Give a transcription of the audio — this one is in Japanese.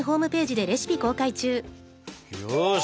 よし！